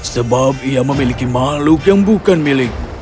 sebab ia memiliki makhluk yang bukan milikmu